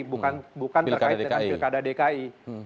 bukan terkait dengan pilkada dki